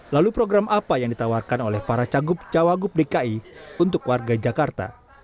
lalu program apa yang ditawarkan oleh para cagup cawagup dki untuk warga jakarta